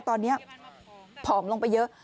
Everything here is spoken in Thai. ตอนนี้ผอมลงไปเยอะ